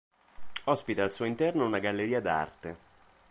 Ospita al suo interno una galleria d'arte.